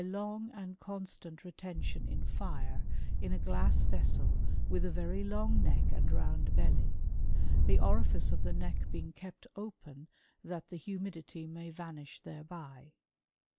129 long^ and constant retention in fire, in a glass vessel with a very long neck and round belly ; the orifice of the neck being kept open, that the humidity may va nish tiiereby."